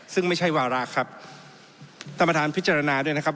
ซึ่งไม่ใช่วาระครับท่านประธานพิจารณาด้วยนะครับ